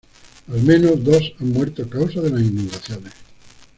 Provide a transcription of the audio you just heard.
Al menos dos han muerto a causa de las inundaciones.